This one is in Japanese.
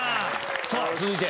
さあ続いて。